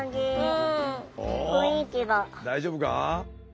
大丈夫か？